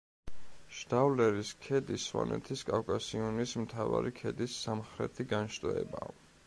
შდავლერის ქედი სვანეთის კავკასიონის მთავარი ქედის სამხრეთი განშტოებაა.